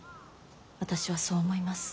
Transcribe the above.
私はそう思います。